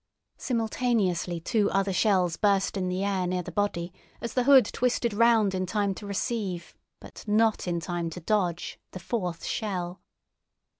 Simultaneously two other shells burst in the air near the body as the hood twisted round in time to receive, but not in time to dodge, the fourth shell.